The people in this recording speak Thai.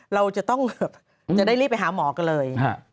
เราจะต้องแบบจะได้รีบไปหาหมอกันเลย